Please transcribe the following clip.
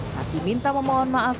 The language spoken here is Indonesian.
saat diminta memohon maaf